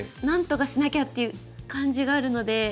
なんとかしなきゃっていう感じがあるので。